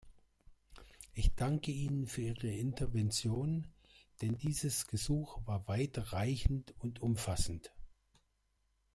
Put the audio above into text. Ich danke Ihnen für ihre Intervention, denn dieses Gesuch war weitreichend und umfassend.